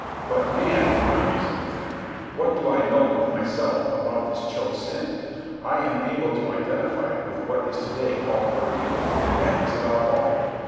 "But, man," I reasoned with him, "what do I know of myself about this Cho Sen? I am able to identify it with what is to day called Korea, and that is about all.